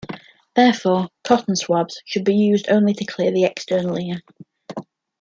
Therefore, cotton swabs should be used only to clean the external ear.